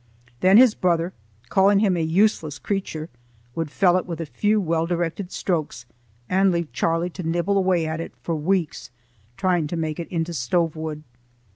Then his brother, calling him a useless creature, would fell it with a few well directed strokes, and leave Charlie to nibble away at it for weeks trying to make it into stove wood.